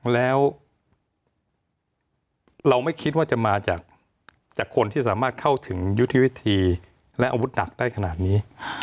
แล้วเราไม่คิดว่าจะมาจากคนที่สามารถเข้าถึงยุทธวิธีและอาวุธหนักได้ขนาดนี้